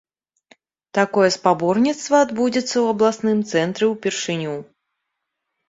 Такое спаборніцтва адбудзецца ў абласным цэнтры ўпершыню.